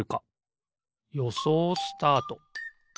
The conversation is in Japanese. よそうスタート！